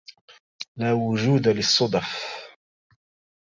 لا وجود للصدف!